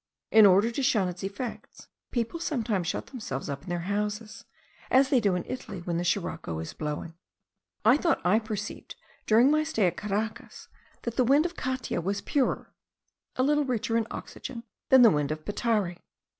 In order to shun its effects, people sometimes shut themselves up in their houses, as they do in Italy when the sirocco is blowing. I thought I perceived, during my stay at Caracas, that the wind of Catia was purer (a little richer in oxygen) than the wind of Petare.